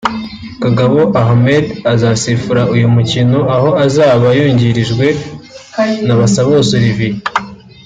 Kagabo Ahmed azasifura nuyu mukino aho azaba yungirijwe na Basabose Olivier